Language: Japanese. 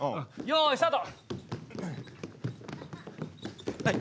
よいスタート！